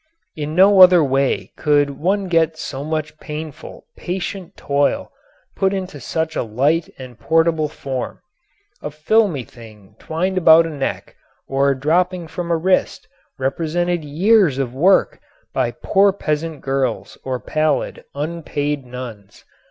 In no other way could one get so much painful, patient toil put into such a light and portable form. A filmy thing twined about a neck or dropping from a wrist represented years of work by poor peasant girls or pallid, unpaid nuns.